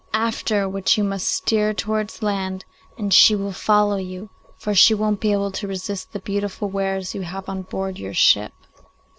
After which you must steer towards the land, and she will follow you, for she won't be able to resist the beautiful wares you have on board your ship.